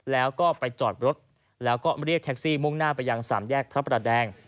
แล้วก็ไปจอดรถแล้วก็เรียกแท็กซี่มุ่งหน้าไปยังสามแยกพระประแดง